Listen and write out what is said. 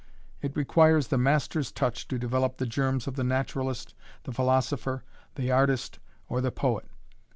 It requires the master's touch to develop the germs of the naturalist, the philosopher, the artist, or the poet.